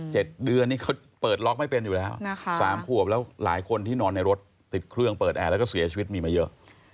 ๗เดือนนี่เขาเปิดล็อกไม่เป็นอยู่แล้วนะคะสามขวบแล้วหลายคนที่นอนในรถติดเครื่องเปิดแอร์แล้วก็เสียชีวิตมีมาเยอะ